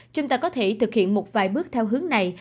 chúng ta có thể thực hiện một vài bước theo hướng này